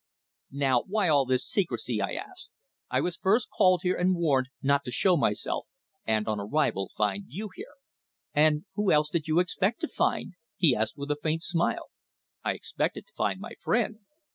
"Now, why all this secrecy?" I asked. "I was first called here and warned not to show myself, and, on arrival, find you here." "And who else did you expect to find?" he asked with a faint smile. "I expected to find my friend."